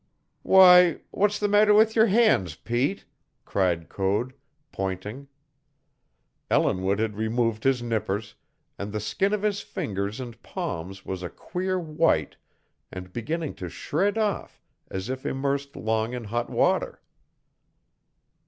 "Why, what's the matter with your hands, Pete?" cried Code, pointing. Ellinwood had removed his nippers, and the skin of his fingers and palms was a queer white and beginning to shred off as if immersed long in hot water.